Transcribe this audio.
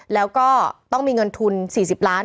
แล้วก็ต้องมีเงินทุน๔๐ล้าน